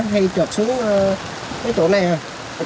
hay trượt xuống chỗ này